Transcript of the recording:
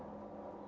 dan kemudian saya